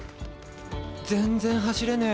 全然走れねえ。